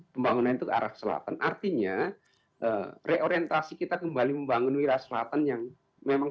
pembangunan itu ke arah selatan artinya reorientasi kita kembali membangun wilayah selatan yang memang